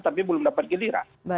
tapi belum dapat giliran